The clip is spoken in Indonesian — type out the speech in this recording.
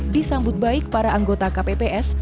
disambut baik para anggota kpps